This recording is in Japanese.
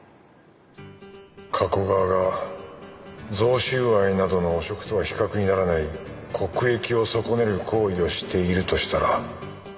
加古川が贈収賄などの汚職とは比較にならない国益を損ねる行為をしているとしたら？